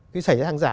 cái xảy ra hàng giả